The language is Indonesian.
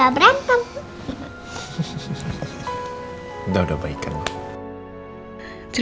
boleh boleh boleh